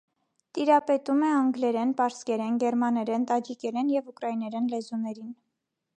Տիրապետում է անգլերեն, պարսկերեն, գերմաներեն, տաջիկերեն և ուկրաիներեն լեզուներին։